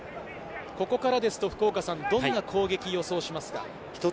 ここからですとどんな攻撃を予想しますか？